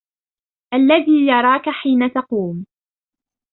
الذي يراك حين تقوم